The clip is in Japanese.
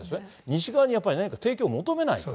西側にやっぱり何か提供を求めないと。